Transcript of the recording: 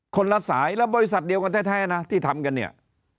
คนละสายแล้วบริษัทเดียวกันแท้นะที่ทำกันเนี่ย